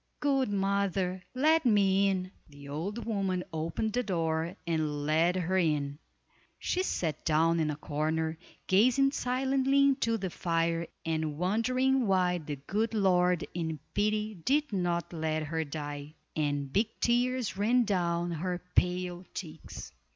Good mother, let me in!" The old woman opened the door and led her in. She sat down in the corner, gazing silently into the fire and wondering why the good Lord in pity did not let her die; and big tears ran down her pale cheeks.